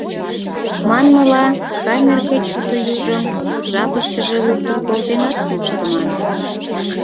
Манмыла, камер гыч уто южым жапыште луктын колтенат моштыман.